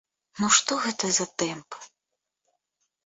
Ну што гэта за тэмпы?